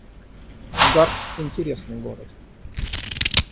Ангарск — интересный город